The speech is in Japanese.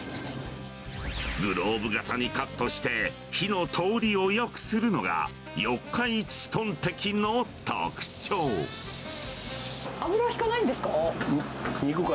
グローブ形にカットして火の通りをよくするのが四日市トンテキの油引かないんですか？